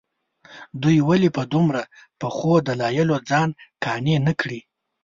دوی ولې په دومره پخو دلایلو ځان قانع نه کړي.